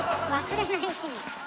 忘れないうちに？